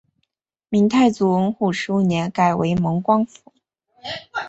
明太祖洪武十五年改为蒙光府。